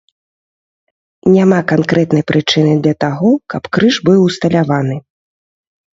Няма канкрэтнай прычыны для таго, каб крыж быў усталяваны.